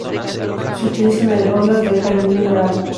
Se utiliza en el Óblast de Kaliningrado.